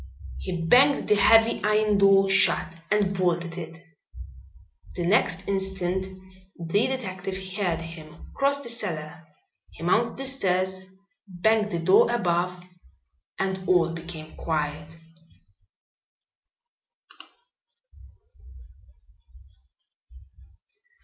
He banged the heavy iron door shut and bolted it. The next instant the detective heard him cross the cellar. He mounted the stairs, banged the door above; and all became quiet.